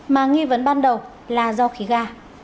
mà nghi vấn ban đầu là do khí ga